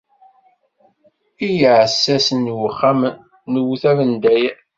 I yiɛessasen n uxxam newwet abendayer.